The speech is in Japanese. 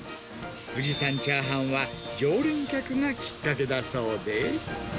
富士山チャーハンは、常連客がきっかけだそうで。